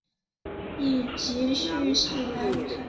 以及叙事安排